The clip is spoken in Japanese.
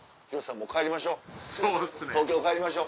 もう東京帰りましょう。